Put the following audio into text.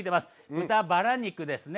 豚バラ肉ですね。